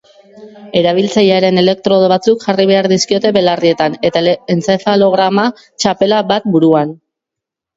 Erabiltzaileari elektrodo batzuk jarri behar dizkiote belarrietan, eta entzefalograma txapela bat buruan.